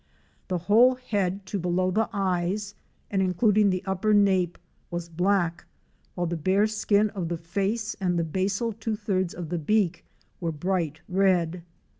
The whole head to below the eyes and including the upper nape was black, while the bare skin of the face and the basal two thirds of the beak were bright red.